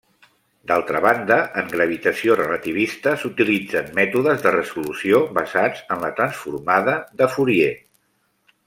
D'altra banda en gravitació relativista s'utilitzen mètodes de resolució basats en la transformada de Fourier.